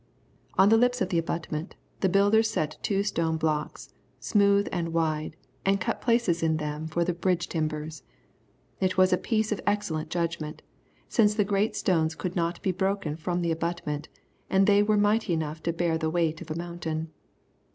On the lips of the abutment, the builders set two stone blocks, smooth and wide, and cut places in them for the bridge timbers. It was a piece of excellent judgment, since the great stones could not be broken from the abutment, and they were mighty enough to bear the weight of a mountain.